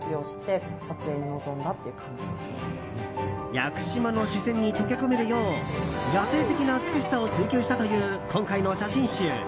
屋久島の自然に溶け込めるよう野性的な美しさを追求したという今回の写真集。